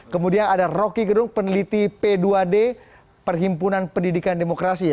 kemudian ada roky gerung peneliti p dua d perhimpunan pendidikan demokrasi